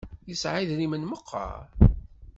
Yesɛa idrimen meqqar?